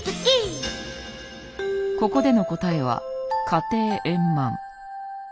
ここでの答えは「家庭円満」。